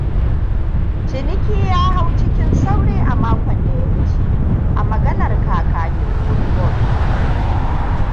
Ciniki ya hau cikin sauri a makon da ya wuce, a maganar kakakin woolworth.